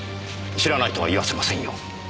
知らないとは言わせませんよ。